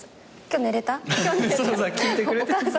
「今日寝れた？」